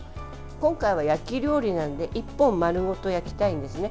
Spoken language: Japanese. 今回は焼き料理なので１本丸ごと焼きたいんですね。